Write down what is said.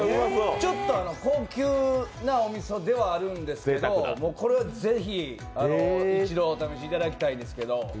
ちょっと高級なおみそではあるんですけど、これは是非、一度お試しいただきたいんですけど。